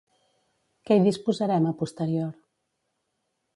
Què hi disposarem a posterior?